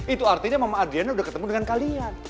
itu artinya mama adriana udah ketemu dengan kalian